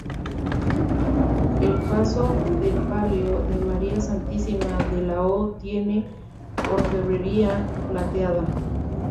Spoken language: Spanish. El paso de palio de María Santísima de la O tiene orfebrería plateada.